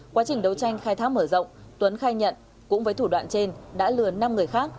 quá trình đấu tranh khai thác mở rộng tuấn khai nhận cũng với thủ đoạn trên đã lừa năm người khác